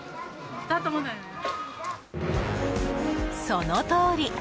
そのとおり！